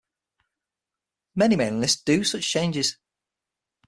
Many mailing lists do such changes.